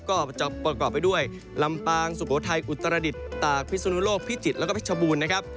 ก็จะประกอบไปด้วยลำปางสุโขทัยอุตรดิษฐ์ตากพิสุนุโลกพิจิตรแล้วก็เพชรบูรณ์นะครับ